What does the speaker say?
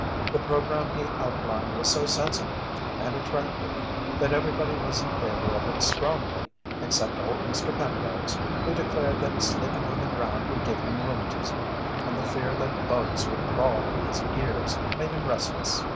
The programme he outlined was so sensible and attractive that everybody was in favour of it strongly except old Mr. Penrose, who declared that sleeping on the ground would give him rheumatism, and the fear that bugs would crawl in his ears made him restless.